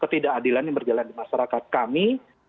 ketidakadilan yang berjalan di masyarakat kami